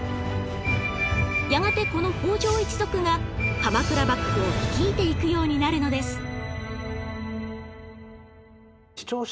やがてこの北条一族が鎌倉幕府を率いていくようになるのです。